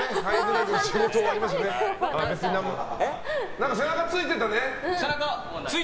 何か背中についてたね。